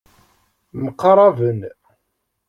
Mqaraben.